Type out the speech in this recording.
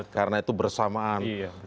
karena itu bersamaan